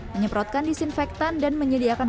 menyemprotkan disinfektan dan menyediakan